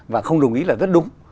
và không đồng ý là rất đúng